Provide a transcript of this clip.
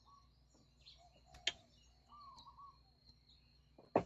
خواړه لومړی په خولې کې هضمېږي.